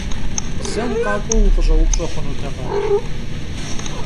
Зэ укъакӀуэу укъыщӀэупщӀэ хъунутэкъэ?